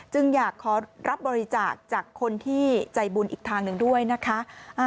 จึงอยากขอรับบริจาคจากคนที่ใจบุญอีกทางหนึ่งด้วยนะคะ